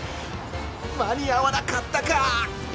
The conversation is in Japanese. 間に合わなかったか